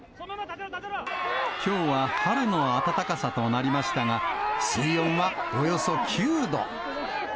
きょうは春の暖かさとなりましたが、水温はおよそ９度。